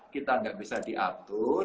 kita enggak bisa diatur